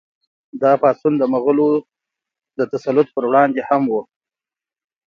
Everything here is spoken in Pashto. دا پاڅون د مغولو د تسلط پر وړاندې هم و.